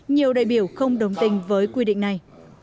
nhiều đại biểu không đồng tình với quy định này